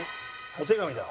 お手紙だ。